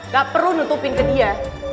gak perlu nutupin ke dia